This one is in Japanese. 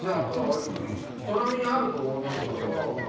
人並みにあると思いますよ、私は。